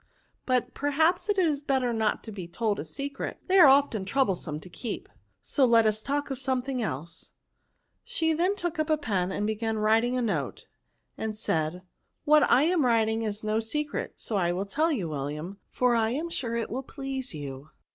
But perhaps it is better not to be told a secret ; they are often troublesome to keep. So let us talk of something else." She then took up a pen and began writing a note ; and said, '' What I am writing is H^ NOtJNS. 157 secret, so I will tell it you, William, for I am sure it will please you."